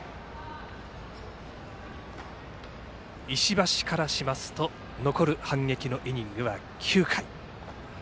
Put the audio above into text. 石橋からしますと残る反撃のイニングは９回。